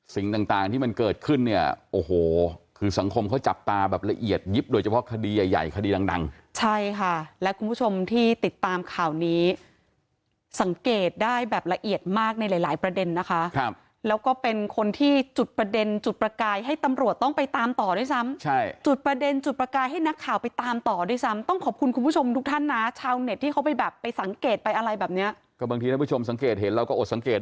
สิ่งต่างที่มันเกิดขึ้นเนี่ยโอโหคือสังคมเขาจับตาแบบละเอียดยิบโดยเฉพาะคดีใหญ่คดีดังสิ่งต่างที่มันเกิดขึ้นเนี่ยโอโหคือสังคมเขาจับตาแบบละเอียดยิบโดยเฉพาะคดีใหญ่คดีดังสิ่งต่างที่มันเกิดขึ้นเนี่ยโอโหคือสังคมเขาจับตาแบบละเอียดยิบโดยเฉพาะค